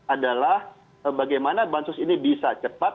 adalah bagaimana bansos ini bisa cepat